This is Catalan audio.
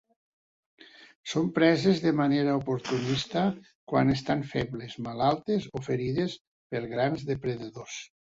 Són preses de manera oportunista quan estan febles, malaltes, o ferides per grans depredadors.